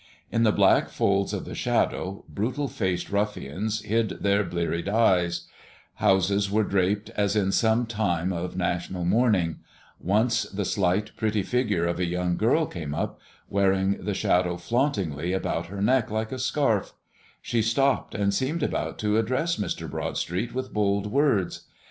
In the black folds of the Shadow, brutal faced ruffians hid their bleared eyes; houses were draped as in some time of national mourning; once, the slight, pretty figure of a young girl came up, wearing the Shadow flauntingly about her neck, like a scarf; she stopped, and seemed about to address Mr. Broadstreet with bold words.